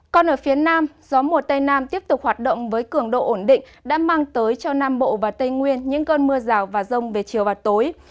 còn ở phía nam gió mùa tây nam tiếp tục hoạt động với cường độ ổn định đã mang tới cho nam bộ và tây nguyên những cơn mưa rào và rông về chiều và tối